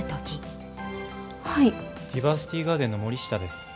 ディバーシティガーデンの森下です。